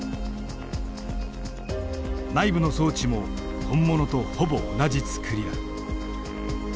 内部の装置も本物とほぼ同じ作りだ。